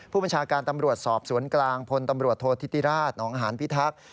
ผู้บัญชาการตำรวจสอบสวนกลางพลตำรวจโทษธิติราชหนองหานพิทักษ์